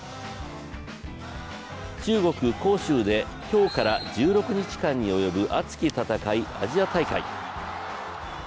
中国・杭州で今日から１６日間に及ぶ熱き戦い、アジア大会。